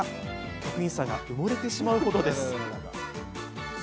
局員さんが埋もれてしまうほどです。